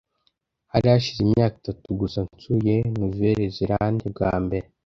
Hari hashize imyaka itatu gusa nsuye Nouvelle-Zélande bwa mbere.